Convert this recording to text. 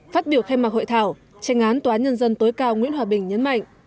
phát biểu khai mạc hội thảo tranh án tòa án nhân dân tối cao nguyễn hòa bình nhấn mạnh